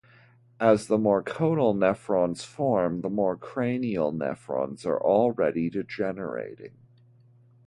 As the more caudal nephrons form, the more cranial nephrons are already degenerating.